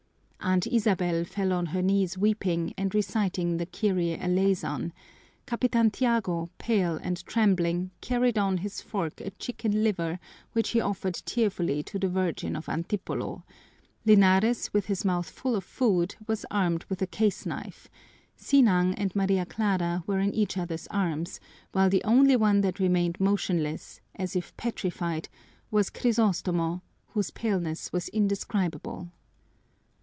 Aunt Isabel fell on her knees weeping and reciting the Kyrie eleyson; Capitan Tiago, pale and trembling, carried on his fork a chicken liver which he offered tearfully to the Virgin of Antipolo; Linares with his mouth full of food was armed with a case knife; Sinang and Maria Clara were in each other's arms; while the only one that remained motionless, as if petrified, was Crisostomo, whose paleness was indescribable.